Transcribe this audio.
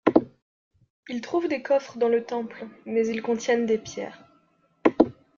Ils trouvent des coffres dans le Temple, mais ils contiennent des pierres.